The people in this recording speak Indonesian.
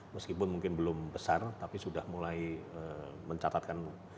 meskipun mungkin belum besar tapi sudah mulai mencatatkan